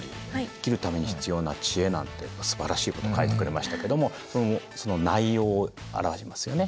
「生きるために必要な知恵」なんてすばらしいこと書いてくれましたけどもその内容を表しますよね。